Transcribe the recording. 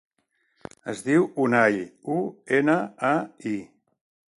Es diu Unai: u, ena, a, i.